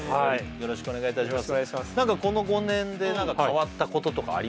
よろしくお願いします